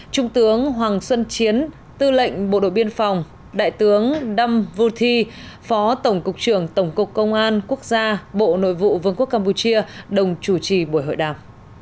trung tướng hoàng xuân chiến tư lệnh bộ đội biên phòng đại tướng đăng vu thi phó tổng cục trưởng tổng cục công an quốc gia bộ nội vụ vương quốc campuchia đồng chủ trì buổi hội đàm